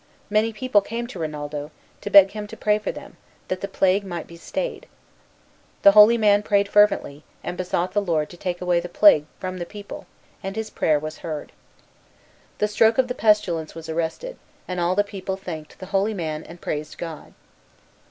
Many people came to Rinaldo, to beg him to pray for them, that the plague might be stayed. The holy man prayed fervently, and besought the Lord to take away the plague from the people, and his prayer was heard. The stroke of the pestilence was arrested, and all the people thanked the holy man and praised God.